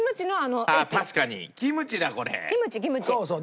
そうそう。